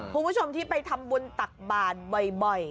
คุณผู้ชมที่ไปทำบุญตักบาทบ่อย